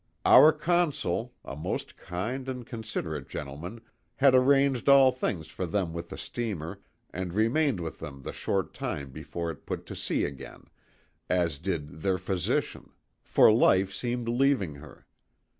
Our Consul, a most kind and considerate gentleman, had arranged all things for them with the steamer and remained with them the short time before it put to sea again, as did their physician, for life seemed leaving her.